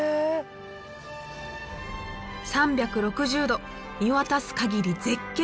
３６０度見渡す限り絶景！